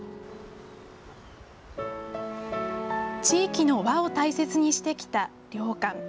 地域の和を大切にしてきた良寛。